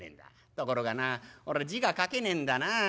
ところがな俺字が書けねえんだなあ。